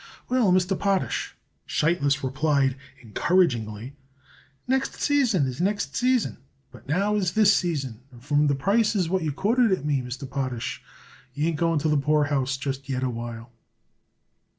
"Well, Mr. Potash," Sheitlis replied encouragingly, "next season is next season, but now is this season, and from the prices what you quoted it me, Mr. Potash, you ain't going to the poorhouse just yet a while."